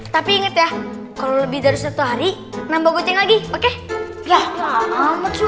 tapi inget ya kalau lebih dari satu hari nambah goceng lagi oke ya